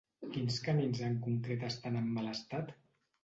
Quins camins en concret estan en mal estat?